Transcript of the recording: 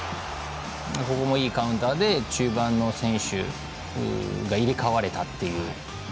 ここもいいカウンターで中盤の選手が入れ代われたっていう。